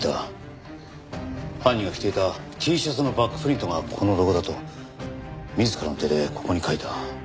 犯人が着ていたＴシャツのバックプリントがこのロゴだと自らの手でここに描いた。